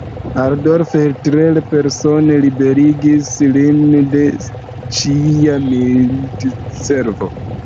Adolf Hitler persone liberigis lin de ĉia militservo.